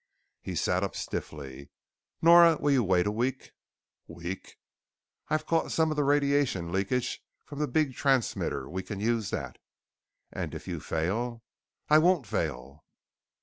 He sat up stiffly. "Nora, will you wait a week?" "Week?" "I've caught some of the radiation leakage from the big transmitter. We can use that." "And if you fail?" "I won't fail."